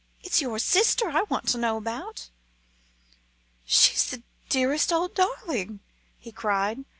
"It's your sister I want to know about." "She's the dearest old darling!" he cried.